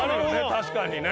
確かにね。